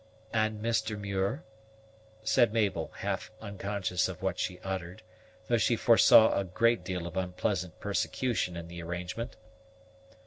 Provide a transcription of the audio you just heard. "And Mr. Muir?" said Mabel, half unconscious of what she uttered, though she foresaw a great deal of unpleasant persecution in the arrangement.